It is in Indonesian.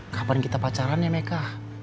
kapan kita pacaran ya meka